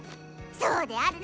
そうであるな。